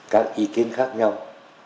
các ý kiến khác nhau